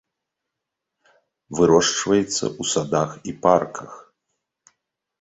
Вырошчваецца ў садах і парках.